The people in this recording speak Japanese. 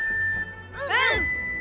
うん！